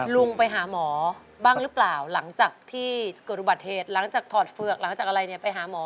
ลุงไปหาหมอบ้างหรือเปล่าหลังจากที่เกิดอุบัติเหตุหลังจากถอดเฝือกหลังจากอะไรเนี่ยไปหาหมอ